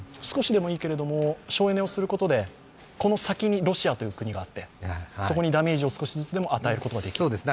少しでもいいけれど、省エネをすることで、この先にロシアという国があってそこにダメージを少しずつでも与えることができる。